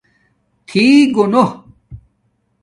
تھی گنݸ